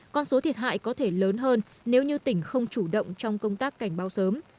con số thiệt hại có thể lớn hơn nếu như tỉnh không chủ động trong công tác cảnh báo sớm